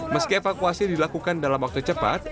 meski evakuasi dilakukan dalam waktu cepat